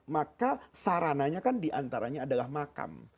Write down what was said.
maka sarananya kan diantaranya adalah makam